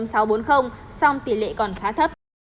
song tỷ lệ còn khá thấp